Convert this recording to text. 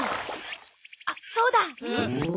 あっそうだ！